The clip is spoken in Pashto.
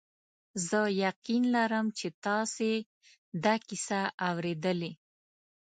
زه یقین لرم چې تاسي دا کیسه اورېدلې.